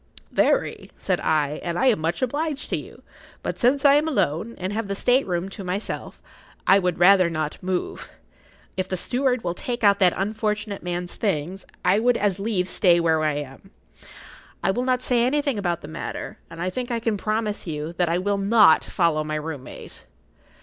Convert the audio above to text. "Very," said I; "and I am much obliged to you. But since I am alone, and have the state room to myself, I would rather not move. If the steward will take out that unfortunate man's things, I would as leave stay where I am. I will not say anything about the matter, and I think I can promise you that I will not follow my room mate."